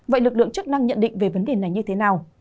vậy lực lượng chức năng nhận định về vấn đề này như thế nào